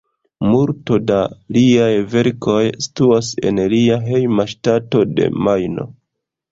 Multo da liaj verkoj situas en lia hejma ŝtato de Majno.